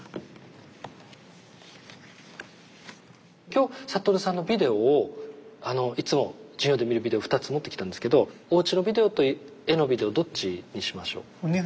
今日覚さんのビデオをいつも授業で見るビデオ２つ持ってきたんですけどおうちのビデオと絵のビデオどっちにしましょう？